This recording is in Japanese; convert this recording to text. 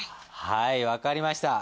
はい分かりました。